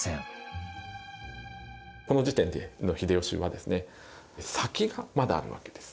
この時点の秀吉は先がまだあるわけです。